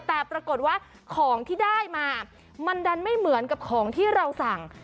แต่ปรากฏว่าของที่ได้มามันดันไม่เหมือนกับของที่เราสั่ง